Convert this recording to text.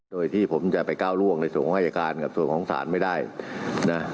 โดยที่ผมจะไปก้าวล่วงในส่วนของอายการกับส่วนของศาลไม่ได้นะ